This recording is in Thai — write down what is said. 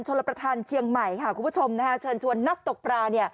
เชิญลับประทานเฉียงใหม่ค่ะคุณผู้ชมโชนนักตกปลา